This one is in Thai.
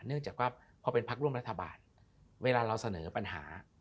เนื่องจากว่าพอเป็นพักร่วมรัฐบาลเวลาเราเสนอปัญหา